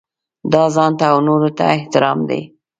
دا ځانته او نورو ته احترام دی.